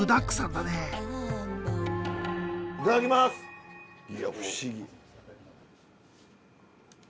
いや不思議。